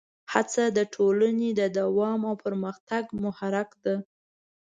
هڅه د ټولنې د دوام او پرمختګ محرک ده.